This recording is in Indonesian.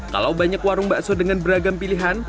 kalau banyak warung bakso dengan beragam pilihan